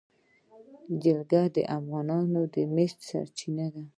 جلګه د افغانانو د معیشت سرچینه ده.